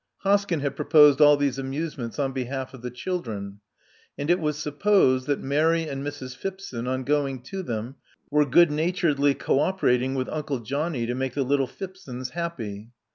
Hoskyn had proposed all these amusements on behalf of the children ; and it was supposed that Mary and Mrs. Phipson, on going to them, were good naturedly co operating with Uncle Johnny to make the little Phipsons happy.